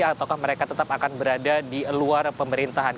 ataukah mereka tetap akan berada di luar pemerintahan